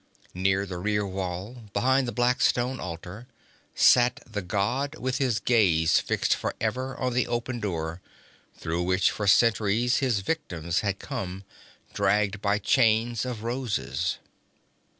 Near the rear wall, behind the black stone altar, sat the god with his gaze fixed for ever on the open door, through which for centuries his victims had come, dragged by chains of roses.